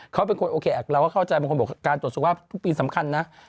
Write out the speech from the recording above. เขาเป็นคนโอเคเราก็เข้าใจบางคนบอกการตรวจสุขภาพทุกปีสำคัญนะ